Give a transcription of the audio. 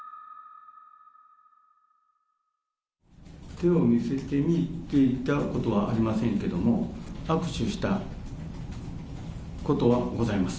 手を見せてみと言ったことはありませんけども、握手したことはございます。